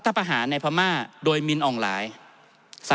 ท่านประธานครับนี่คือสิ่งที่สุดท้ายของท่านครับ